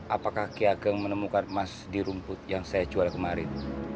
apakah kiageng menemukan emas di rumput yang saya jual kemarin